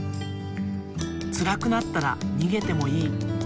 つらくなったらにげてもいい。